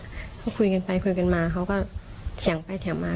เขาคุยกันไปคุยกันมาเขาก็เถียงไปเถียงมา